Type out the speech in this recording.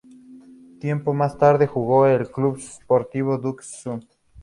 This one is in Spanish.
Tiempo más tarde, jugó en el Club Sportivo Dock Sud.